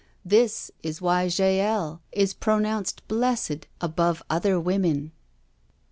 This is why Jael is pro nounced blessed above other women.